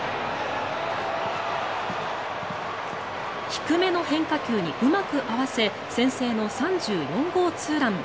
低めの変化球にうまく合わせ先制の３４号ツーラン。